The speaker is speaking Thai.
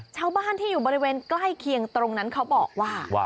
ชาวบ้านที่อยู่บริเวณใกล้เคียงตรงนั้นเขาบอกว่า